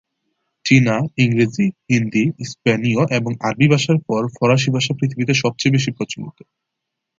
চীনা, ইংরেজি, হিন্দি, স্পেনীয় এবং আরবি ভাষার পর ফরাসি ভাষা পৃথিবীতে সবচেয়ে বেশি প্রচলিত।